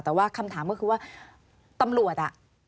แต่ว่าคำถามก็คือว่าตำรวจอ่ะ